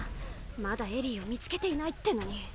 まだエリーを見つけていないってのに。